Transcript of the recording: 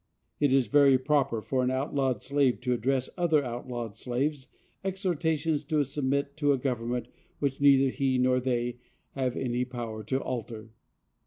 It is very proper for an outlawed slave to address to other outlawed slaves exhortations to submit to a government which neither he nor they have any power to alter.